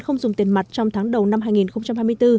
không dùng tiền mặt trong tháng đầu năm hai nghìn hai mươi bốn